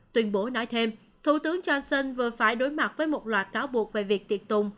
tuyên bố nói thêm thủ tướng johnson vừa phải đối mặt với một loạt cáo buộc về việc tiệt tùng